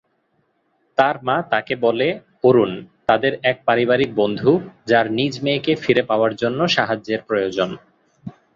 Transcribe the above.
তার মা তাকে বলে অরুন তাদের এক পারিবারিক বন্ধু যার নিজ মেয়েকে ফিরে পাওয়ার জন্য সাহায্যের প্রয়োজন।